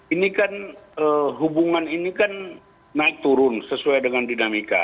ini kan hubungan ini kan naik turun sesuai dengan dinamika